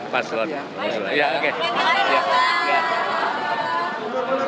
dan juga kemungkinan dari